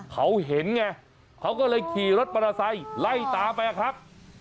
เขาเห็นไงเขาก็เลยขี่รถบรรทสัยไล่ตามไปครับ